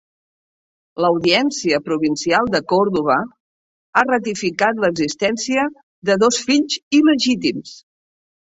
L'Audiència Provincial de Còrdova ha ratificat l'existència de dos fills il·legítims.